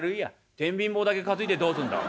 「天秤棒だけ担いでどうすんだ。